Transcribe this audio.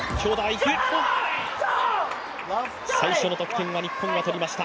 最初の得点は日本が取りました。